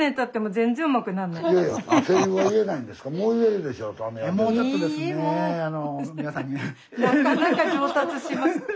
もうちょっとですね。